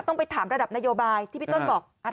ต้องไปถามระดับนโยบายที่พี่ต้นบอก